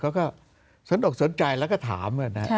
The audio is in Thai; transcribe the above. เขาก็สนอกสนใจแล้วก็ถาม